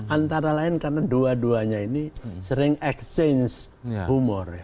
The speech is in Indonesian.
antara lain karena dua duanya ini sering exchange humor